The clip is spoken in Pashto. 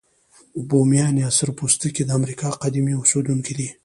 بومیان یا سره پوستکي د امریکا قديمي اوسیدونکي دي.